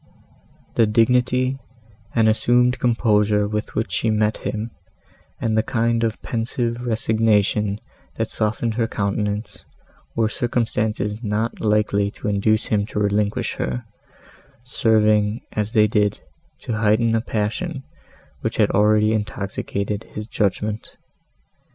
The dignity and assumed composure with which she met him, and the kind of pensive resignation, that softened her countenance, were circumstances not likely to induce him to relinquish her, serving, as they did, to heighten a passion, which had already intoxicated his judgment.